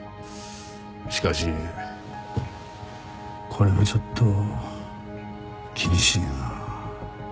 しかしこれはちょっと厳しいな。